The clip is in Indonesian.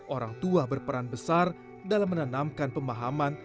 orang tua berperan besar dalam menanamkan pemahaman